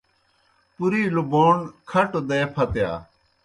پُرِیلوْ بوݨ کھٹوْ دے پھتِیا۔